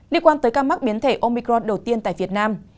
điều quan tới các mắc biến thể omicron đầu tiên tại việt nam